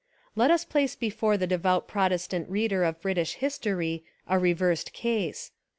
Let us place before the devout Protestant reader of British history a reversed case.